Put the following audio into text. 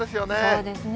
そうですね。